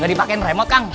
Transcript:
gak dipakein remote kang